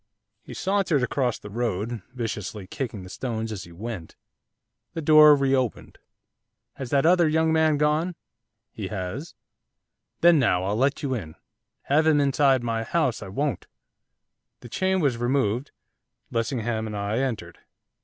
He sauntered across the road, viciously kicking the stones as he went. The door reopened. 'Has that other young man gone?' 'He has.' 'Then now I'll let you in. Have him inside my house I won't.' The chain was removed. Lessingham and I entered.